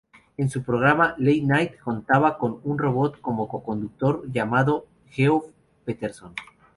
En su programa "late night" contaba con un robot como co-conductor llamado Geoff Peterson.